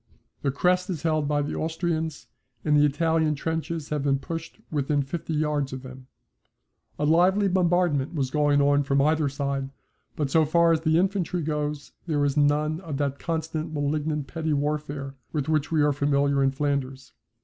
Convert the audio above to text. The crest is held by the Austrians and the Italian trenches have been pushed within fifty yards of them. A lively bombardment was going on from either side, but so far as the infantry goes there is none of that constant malignant petty warfare with which we are familiar in Flanders.